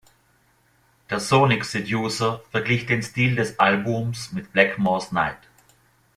Der "Sonic Seducer" verglich den Stil des Albums mit Blackmore’s Night.